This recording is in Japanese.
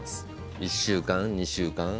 １週間、２週間。